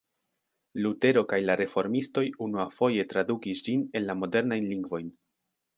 Lutero kaj la reformistoj unuafoje tradukis ĝin en la modernajn lingvojn.